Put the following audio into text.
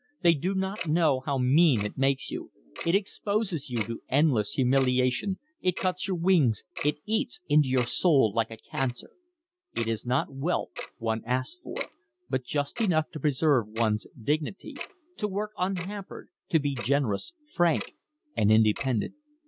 They do not know how mean it makes you. It exposes you to endless humiliation, it cuts your wings, it eats into your soul like a cancer. It is not wealth one asks for, but just enough to preserve one's dignity, to work unhampered, to be generous, frank, and independent.